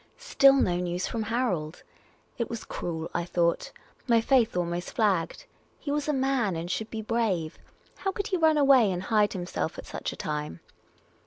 Still no news from Harold ! It was cruel, I thought. My faith almost flagged. He was a man and should be brave. How could he run away snd hide himself at such a time